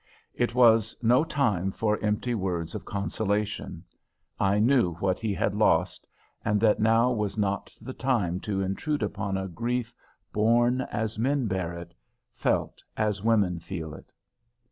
It was no time for empty words of consolation: I knew what he had lost, and that now was not the time to intrude upon a grief borne as men bear it, felt as women feel it.